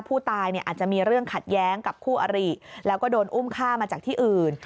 ผู้ตายอาจจะมีเรื่องขัดแย้งกับคู่อริแล้วก็โดนอุ้มฆ่ามาจากที่อื่น